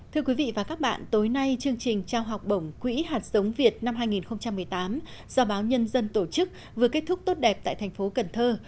thưa quý vị và các bạn tối nay chương trình trao học bổng quỹ hạt sống việt năm hai nghìn một mươi tám do báo nhân dân tổ chức vừa kết thúc tốt đẹp tại thành phố cần thơ